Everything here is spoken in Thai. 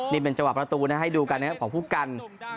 นี่เป็นจังหวะประตูนะให้ดูกันนะครับของผู้กัน